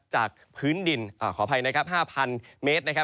จากพื้นดินขออภัยนะครับ๕๐๐เมตรนะครับ